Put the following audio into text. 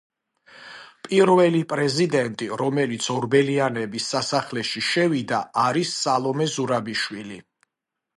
პირველი პრეზიდენტი, რომელიც ორბელიანების სასახლეში შევიდა, არის სალომე ზურაბიშვილი.